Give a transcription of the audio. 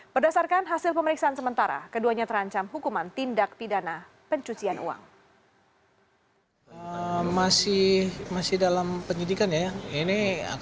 berdasarkan hasil pemeriksaan sementara keduanya terancam hukuman tindak pidana pencucian uang